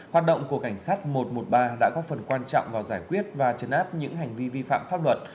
hoạt động của cảnh sát một trăm một mươi ba đã góp phần quan trọng vào giải quyết và chấn áp những hành vi vi phạm pháp luật